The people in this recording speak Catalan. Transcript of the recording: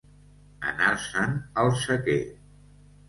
Anar-se'n al sequer.